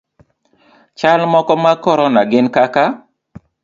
Chal moko mag korona gin kaka;